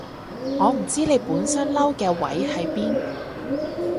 我唔知你本身嬲嘅位喺邊